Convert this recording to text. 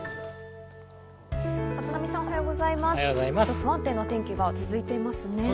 不安定な天気が続いていますね。